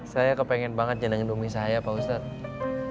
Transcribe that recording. saya kepengen banget jangan ngendungi saya pak ustadz